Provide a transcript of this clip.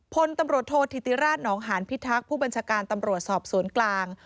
พลตำรวจโทษธิติราชหนองหานพิทักษ์ผู้บัญชาการตำรวจสอบสวนกลาง